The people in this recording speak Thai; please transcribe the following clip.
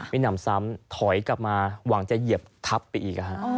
มีหนำซ้ำถอยกลับมาหวังจะเหยียบทับไปอีก